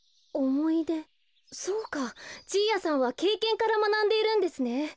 そうかじいやさんはけいけんからまなんでいるんですね。